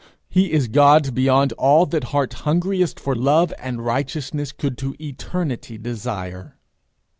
He is God beyond all that heart hungriest for love and righteousness could to eternity desire.